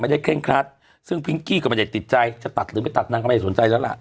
เร่งครัดซึ่งพิงกี้ก็ไม่ได้ติดใจจะตัดหรือไม่ตัดนางก็ไม่ได้สนใจแล้วล่ะ